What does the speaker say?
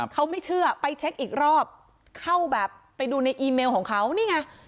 เขาไม่เชื่อไปเช็คอีกรอบเข้าแบบไปดูในอีเมลของเขานี่ไง